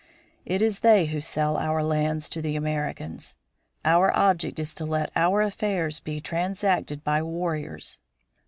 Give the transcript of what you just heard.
It is they who sell our lands to the Americans. Our object is to let our affairs be transacted by warriors.